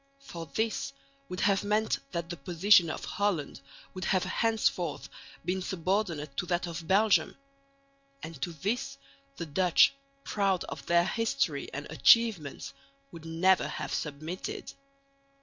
For this would have meant that the position of Holland would have henceforth been subordinate to that of Belgium; and to this the Dutch, proud of their history and achievements, would never have submitted.